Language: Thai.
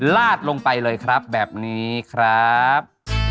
ลาดลงไปเลยครับแบบนี้ครับ